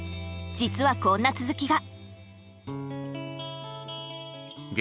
実はこんな続きが。